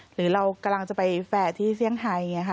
หรือเรากำลังจะไปแฟ่ที่เซียงไทยนะคะ